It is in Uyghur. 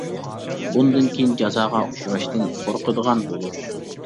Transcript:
بۇندىن كىيىن جازاغا ئۇچراشتىن قورقىدىغان بولۇش.